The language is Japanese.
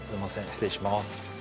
失礼します。